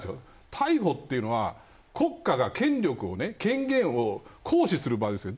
逮捕というのは、国家が権力を権限を行使する場ですね。